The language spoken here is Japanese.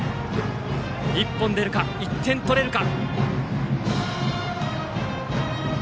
１本出るか、１点取れるか。